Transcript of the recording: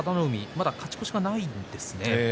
まだ勝ち越しがないんですね。